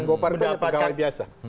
govar itu pegawai biasa